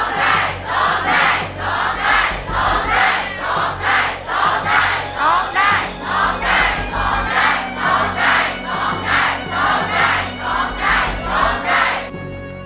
ร้องใหญ่ร้องใหญ่ร้องใหญ่ร้องใหญ่